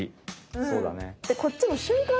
そうだね。